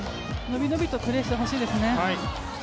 伸び伸びとプレーしてほしいですね。